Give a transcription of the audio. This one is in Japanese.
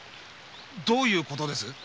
どういうことです？